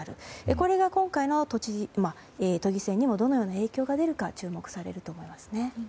これが今回の都議選にどのような影響が出るのか注目されると思いますね。